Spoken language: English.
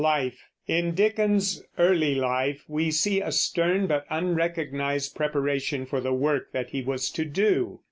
LIFE. In Dickens's early life we see a stern but unrecognized preparation for the work that he was to do.